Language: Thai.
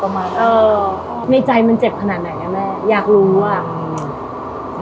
เอ่อในใจมันเจ็บขนาดไหนนะแม่อยากรู้อ่ะอืม